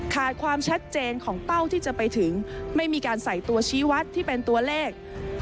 ความชัดเจนของเป้าที่จะไปถึงไม่มีการใส่ตัวชี้วัดที่เป็นตัวเลข